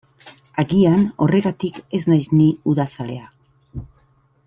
Agian horregatik ez naiz ni udazalea.